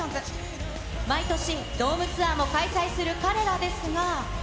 毎年、ドームツアーも開催する彼らですが。